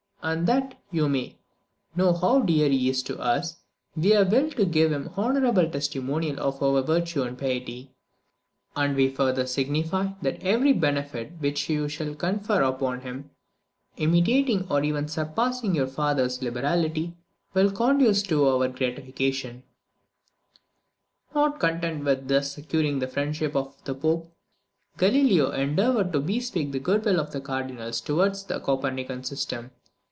And that you may know how dear he is to us, we have willed to give him this honourable testimonial of virtue and piety. And we further signify, that every benefit which you shall confer upon him, imitating or even surpassing your father's liberality, will conduce to our gratification." A fine painting in gold, and a silver medal, and "a good quantity of agnus dei." Not content with thus securing the friendship of the Pope, Galileo endeavoured to bespeak the good will of the Cardinals towards the Copernican system.